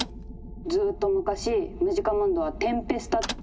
「ずっと昔ムジカムンドはテンペスタ」。